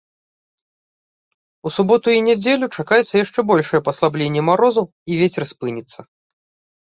У суботу і нядзелю чакаецца яшчэ большае паслабленне марозу і вецер спыніцца.